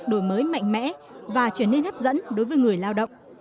đổi mới mạnh mẽ và trở nên hấp dẫn đối với người lao động